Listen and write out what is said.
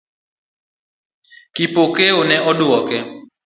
Kipokeo ne oduoke.